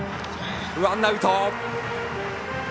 ワンアウト。